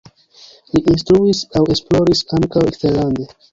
Li instruis aŭ esploris ankaŭ eksterlande.